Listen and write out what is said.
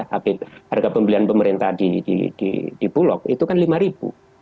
tapi harga pembelian pemerintah di bulog itu kan rp lima